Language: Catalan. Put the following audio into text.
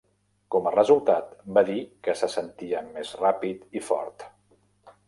Com a resultat, va dir que se sentia més ràpid i fort.